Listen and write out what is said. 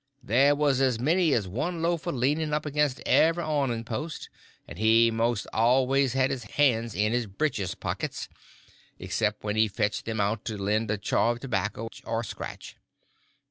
There was as many as one loafer leaning up against every awning post, and he most always had his hands in his britches pockets, except when he fetched them out to lend a chaw of tobacco or scratch.